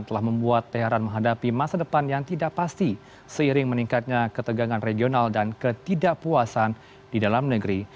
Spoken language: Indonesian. telah membuat teh haran menghadapi masa depan yang tidak pasti seiring meningkatnya ketegangan regional dan ketidakpuasan di dalam negeri